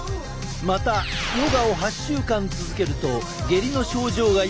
またヨガを８週間続けると下痢の症状がよくなったという報告も。